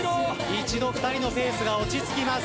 一度２人のペースが落ち着きます。